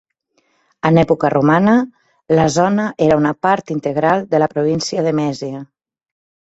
En època romana, la zona era una part integral de la província de Mèsia.